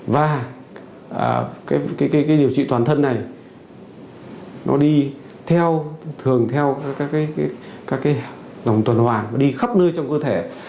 và cái điều trị toàn thân này nó đi theo thường theo các dòng tuần hoàn đi khắp nơi trong cơ thể